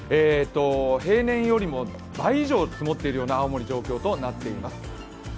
平年よりも倍以上積もっているような青森、状況となっています。